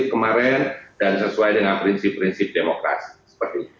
jadi kemarin dan sesuai dengan prinsip prinsip demokrasi